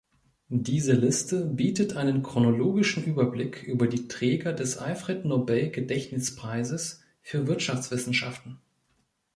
Diese Liste bietet einen chronologischen Überblick über die Träger des Alfred-Nobel-Gedächtnispreises für Wirtschaftswissenschaften.